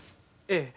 ええ。